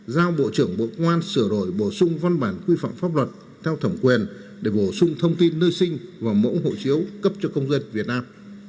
giao bộ trưởng bộ công an sửa đổi bổ sung văn bản quy phạm pháp luật theo thẩm quyền để bổ sung thông tin nơi sinh và mẫu hộ chiếu cấp cho công dân việt nam